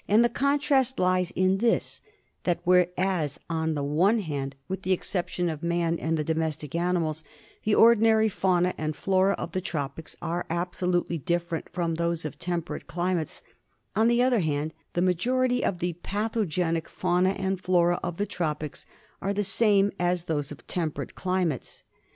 And the contrast lies in this : that whereas, on the one hand, with the exception of man b GEOGRAPHICAL DISTRIBUTION and the domestic animals, the ordinary fauna and flora of the tropics are absolutely different from those of temperate climates ; on the other hand, the majority of the patho genic fauna and flora of the tropics are the same as those of temperate climates.